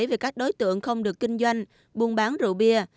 về các đối tượng không được kinh doanh buôn bán rượu bia